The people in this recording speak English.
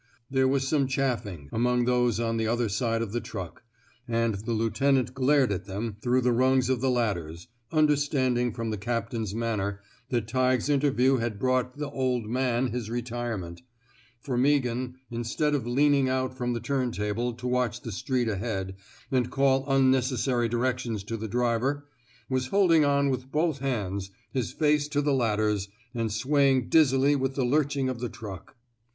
There was some chaflSng among those on the other side of the truck, and the lieutenant glared at them through the rungs of the ladders, understanding from the captain's manner that Tighe's interview had brought " th' oP man '' his retirement; for Meaghan, instead of leaning out from the turntable to watch the street ahead and call unneces sary directions to the driver, was holding on with both hands, his face to the ladders, and swaying dizzily with the lurching of the truck.